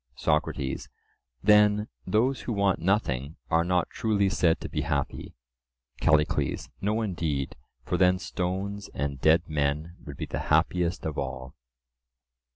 SOCRATES: Then those who want nothing are not truly said to be happy? CALLICLES: No indeed, for then stones and dead men would be the happiest of all.